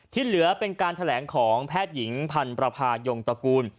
ที่เหลือเป็นการแถลงของแพทย์หญิงพันธ์ประพายงตระกูล